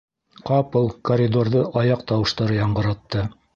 Ҡапыл коридорҙы аяҡ тауыштары яңғыратты.